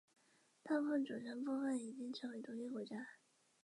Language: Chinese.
大部分组成部分已经成为独立国家。